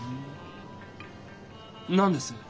何です？